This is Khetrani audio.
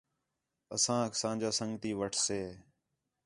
اسانک اساں جا سنڳتی آ گِھنسے